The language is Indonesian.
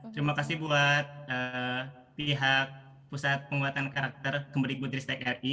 terima kasih buat pihak pusat penguatan karakter kembali kudris tki